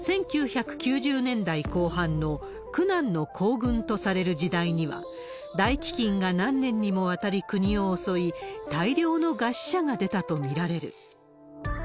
１９９０年代後半の苦難の行軍とされる時代には、大飢饉が何年にもわたり国を襲い、大量の餓死者が出たと見られる。